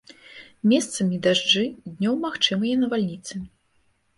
Месцамі дажджы, днём магчымыя навальніцы.